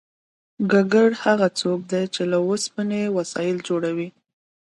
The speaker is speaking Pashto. ګګر هغه څوک دی چې له اوسپنې وسایل جوړوي